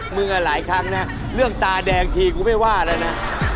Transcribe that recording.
หลายครั้งนะเรื่องตาแดงทีกูไม่ว่าแล้วนะ